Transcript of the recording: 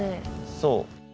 そう。